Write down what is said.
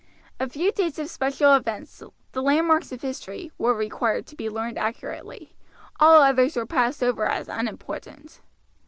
A few dates of special events, the landmarks of history, were required to be learned accurately, all others were passed over as unimportant.